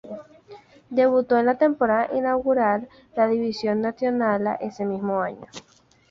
Debutó en la temporada inaugural de la Divizia Națională ese mismo año.